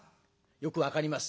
よく分かります。